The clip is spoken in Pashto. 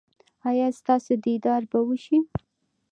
ایا ستاسو دیدار به وشي؟